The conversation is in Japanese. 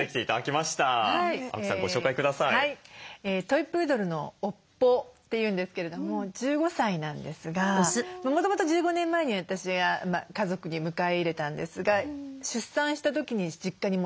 トイ・プードルの「おっぽ」っていうんですけれども１５歳なんですがもともと１５年前に私が家族に迎え入れたんですが出産した時に実家に戻って。